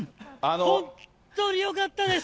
本当によかったです。